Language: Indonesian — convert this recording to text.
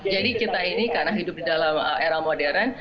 kita ini karena hidup di dalam era modern